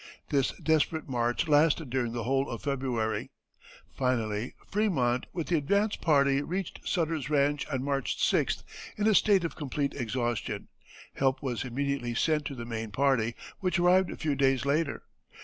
This desperate march lasted during the whole of February. Finally Frémont with the advance party reached Sutter's ranch on March 6th in a state of complete exhaustion; help was immediately sent to the main party, which arrived a few days later.